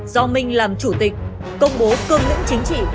do minh làm chủ tịch công bố cương lĩnh chính trị